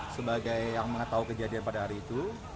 sebagai yang mengetahui kejadian pada hari itu